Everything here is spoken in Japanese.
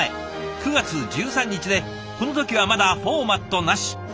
９月１３日でこの時はまだフォーマットなし。